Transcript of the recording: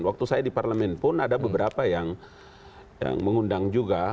waktu saya di parlemen pun ada beberapa yang mengundang juga